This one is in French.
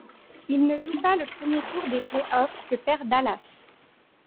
Il ne joue pas le premier tour de play-offs que perd Dallas.